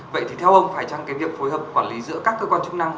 vậy thì theo ông phải chăng cái việc phối hợp quản lý giữa các cơ quan chức năng